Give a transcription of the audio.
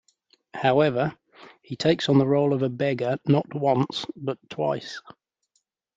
However, he takes on the role of a beggar not once, but twice.